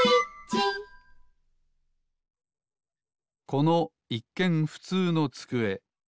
このいっけんふつうのつくえ。